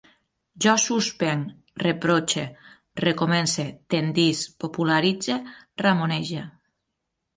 Jo suspenc, reprotxe, recomence, tendisc, popularitze, ramonege